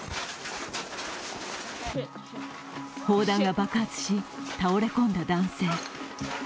砲弾が爆発し、倒れ込んだ男性。